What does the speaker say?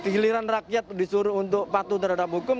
giliran rakyat disuruh untuk patuh terhadap hukum